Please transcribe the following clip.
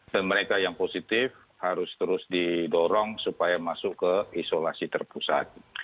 dan mereka yang positif harus terus didorong supaya masuk ke isolasi terpusat